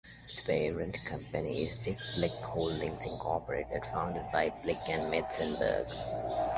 Its parent company is Dick Blick Holdings, Incorporated founded by Blick and Metzenberg.